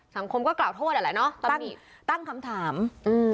สังคมก็กล่าวโทษอ่ะแหละเนอะตำหนิตั้งคำถามอืม